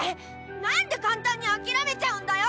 なんで簡単にあきらめちゃうんだよ！